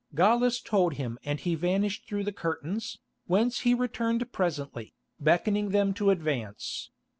Gallus told him and he vanished through the curtains, whence he returned presently, beckoning them to advance.